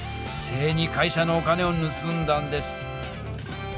正に会社のお金をぬすんだんです。